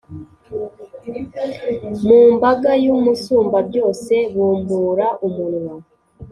Mumbaga y’Umusumbabyose bubumbura umunwa,